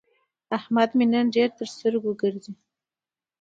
احمد مې نن ډېر تر سترګو ګرځي.